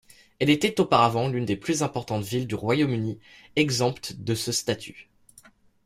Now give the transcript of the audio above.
Elle était auparavant l'une des plus importantes villes du Royaume-Uni exemptes de ce statut.